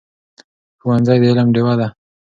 ښوونځی د علم ډېوه ده.